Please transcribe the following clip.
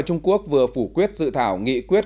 trung quốc vừa phủ quyết dự thảo nghị quyết